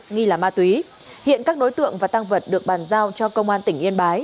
nghi là ma túy hiện các đối tượng và tăng vật được bàn giao cho công an tỉnh yên bái